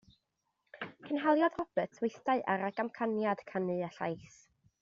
Cynhaliodd Roberts weithdai ar ragamcaniad canu a llais.